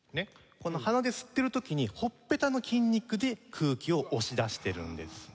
この鼻で吸ってる時にほっぺたの筋肉で空気を押し出してるんです。